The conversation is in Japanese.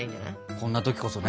こんな時こそね。